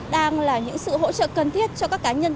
đang là những sự hỗ trợ cần thiết cho các cá nhân